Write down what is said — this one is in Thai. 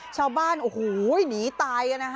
ชาวบ้านโอ้โหหนีตายกันนะคะ